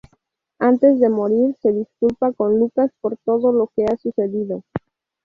Antes de morir se disculpa con Lucas por todo lo que ha sucedido.